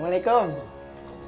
emangnya kita kurang apa aja sih